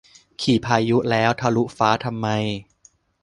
ขี่พายุแล้วทะลุฟ้าทำไม